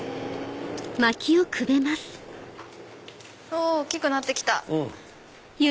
お大きくなって来た。